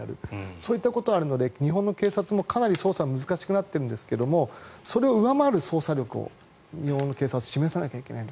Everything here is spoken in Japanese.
そういったことがあるので日本の警察もかなり捜査が難しくなっているんですがそれを上回る捜査力を日本の警察は示さなきゃいけないと。